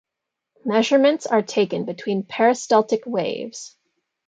Measurements are taken between peristaltic waves.